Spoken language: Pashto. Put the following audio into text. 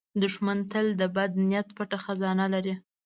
دښمن تل د بد نیت پټ خزانه لري